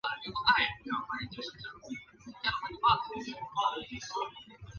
彼得宫城市内的留有大量历史建筑物。